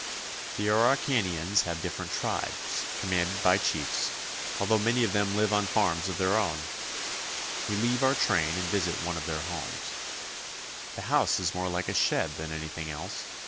The Araucanians have different tribes, commanded by chiefs, although many of them live on farms of their own. We leave our train and visit one of their homes. The "We visit one of their homes." house is more like a shed than anything else.